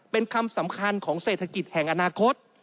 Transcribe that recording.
เป็นคำสำคัญของเศรษฐกิจแห่งอนาคต